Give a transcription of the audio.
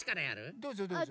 どうぞどうぞ。